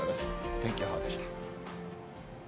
天気予報でした。